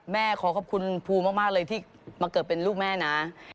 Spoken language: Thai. ขอขอบคุณภูมากเลยที่มาเกิดเป็นลูกแม่นะ